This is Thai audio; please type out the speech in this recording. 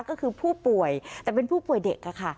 ก็คือผู้ป่วยแต่เป็นผู้ป่วยเด็กค่ะ